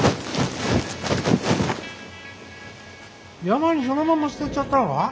山にそのまんま捨てちゃったのか？